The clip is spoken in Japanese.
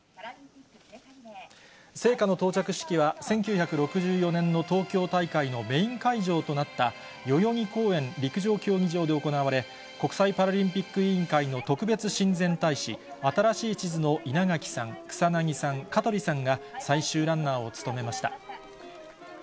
聖火の到着式は、１９６４年の東京大会のメイン会場となった、代々木公園陸上競技場で行われ、国際パラリンピック委員会の特別親善大使、新しい地図の稲垣さん、草なぎさん、香取さんが最終ランナーを務めました。